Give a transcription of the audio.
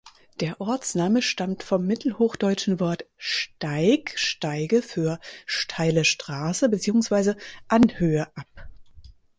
Der Ortsname stammt vom mittelhochdeutschen Wort "steig(e)" für "steile Straße" beziehungsweise "Anhöhe" ab.